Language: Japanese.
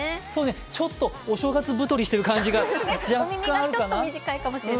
ちょっとお正月太りしている感じが若干あるかな。